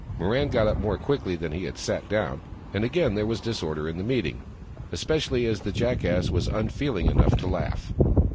Mirran got up more quickly than he had sat down, and again there was disorder in the meeting, especially as the Jackass was unfeeling enough to laugh.